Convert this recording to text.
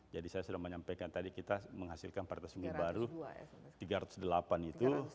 jadi saya sudah menyampaikan tadi kita menghasilkan varietas unggul baru tiga ratus delapan itu